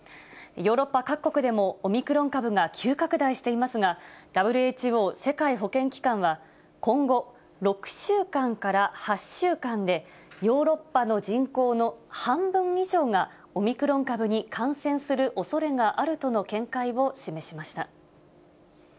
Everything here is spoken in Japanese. ヨーロッパ各国でもオミクロン株が急拡大していますが、ＷＨＯ・世界保健機関は、今後、６週間から８週間で、ヨーロッパの人口の半分以上がオミクロン株に感染するおそれがあるとの見解を示しました。